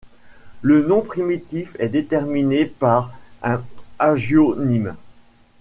Le nom primitif est déterminé par un hagionyme.